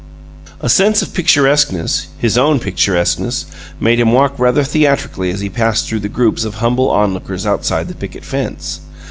A sense of picturesqueness his own picturesqueness made him walk rather theatrically as he passed through the groups of humble onlookers outside the picket fence.